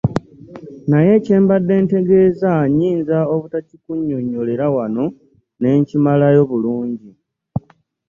Naye kye mbadde ntegeeza nnyinza obutakikunnyonnyolera wano ne nkimalayo bulungi.